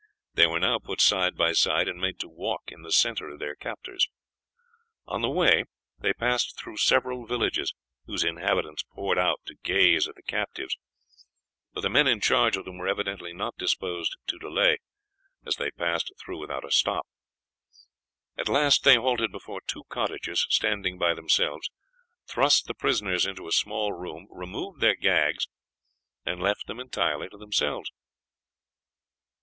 They were now put side by side and made to walk in the center of their captors. On the way they passed through several villages, whose inhabitants poured out to gaze at the captives, but the men in charge of them were evidently not disposed to delay, as they passed through without a stop. At last they halted before two cottages standing by themselves, thrust the prisoners into a small room, removed their gags, and left them entirely to themselves.